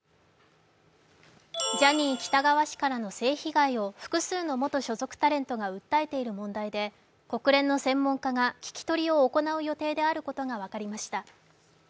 ジャニー喜多川氏からの性被害を複数の元所属タレントが訴えている問題で国連の専門家が聞き取りを行う予定であることが分かりました。